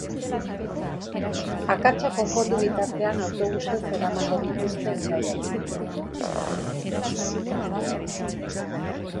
Akatsa konpondu bitartean autobusez eramango dituzte bidaiariak.